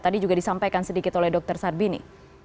tadi juga disampaikan sedikit oleh dr sarbini